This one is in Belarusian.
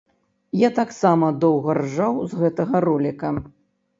Я таксама доўга ржаў з гэтага роліка.